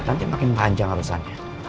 nanti makin panjang alasannya